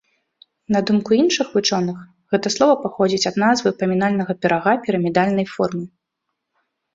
На думку іншых вучоных, гэта слова паходзіць ад назвы памінальнага пірага пірамідальнай формы.